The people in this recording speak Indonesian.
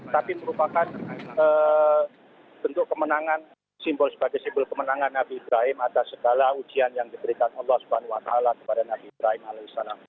tapi merupakan bentuk kemenangan simbol sebagai simbol kemenangan nabi ibrahim atas segala ujian yang diberikan allah swt kepada nabi ibrahim